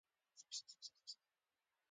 د ناروغې مور په انتظار کې بهر ناسته وه.